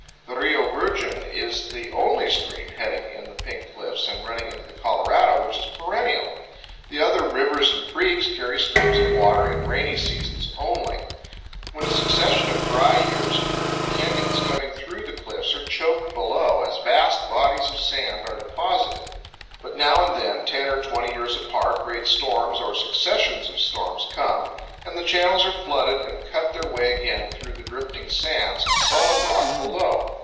The Rio Virgen is the only stream heading in the Pink Cliffs and running into the Colorado which is perennial. The other rivers and creeks carry streams of water in rainy seasons only. When a succession of dry years occurs the canyons coming through the 102 CANYONS OF THE COLORADO. cliffs are choked below, as vast bodies of sand are deposited. But now and then, ten or twenty years apart, great storms or successions of storms come, and the channels are flooded and cut their way again through the drifting sands to solid rock below.